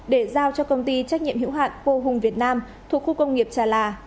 để giao cho công ty trách nhiệm hữu hạn vô hùng việt nam thuộc khu công nghiệp trà là